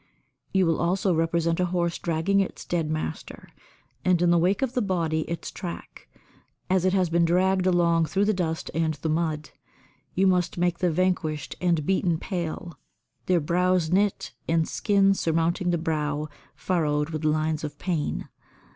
You will also represent a horse dragging its dead master, and in the wake of the body its track, as it has been dragged along through the dust and the mud; you must make the vanquished and beaten pale, their brows knit and the skin surmounting the brow furrowed with lines of pain.